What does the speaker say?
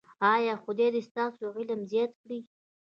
ایا خدای دې ستاسو علم زیات کړي؟